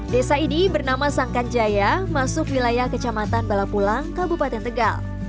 desa ini bernama sangkan jaya masuk wilayah kecamatan balapulang kabupaten tegal